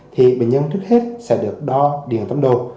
thì bệnh nhân trước hết sẽ được đo điện tâm đồ